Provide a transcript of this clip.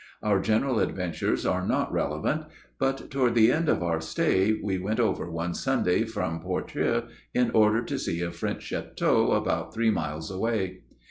Our general adventures are not relevant ; but toward the end of our stay we went over one Sunday from Portrieux in order to see a French chiteau about three miles away.